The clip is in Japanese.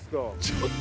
ちょっと！